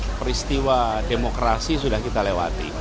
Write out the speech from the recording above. karena peristiwa demokrasi sudah kita lewati